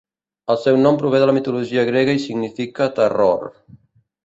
El seu nom prové de la mitologia grega i significa 'terror'.